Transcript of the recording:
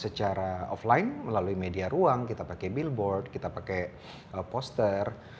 secara offline melalui media ruang kita pakai billboard kita pakai poster